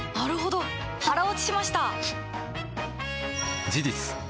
腹落ちしました！